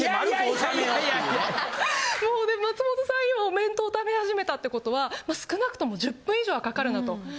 今お弁当食べ始めたってことは少なくとも１０分以上はかかるなと。